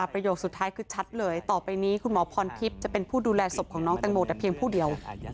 ประโยคสุดท้ายคือชัดเลยต่อไปนี้คุณหมอพรทิพย์จะเป็นผู้ดูแลศพของน้องแตงโมแต่เพียงผู้เดียว